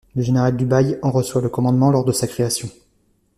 Le général Dubail en reçoit le commandement lors de sa création.